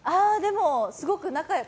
すごく仲良くて。